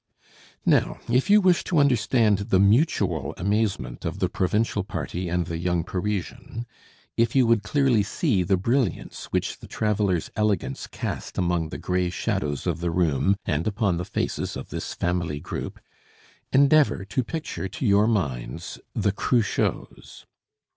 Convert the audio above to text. Now if you wish to understand the mutual amazement of the provincial party and the young Parisian; if you would clearly see the brilliance which the traveller's elegance cast among the gray shadows of the room and upon the faces of this family group, endeavor to picture to your minds the Cruchots.